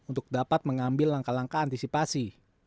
untuk dapat mengambil langkah langkah antisipasi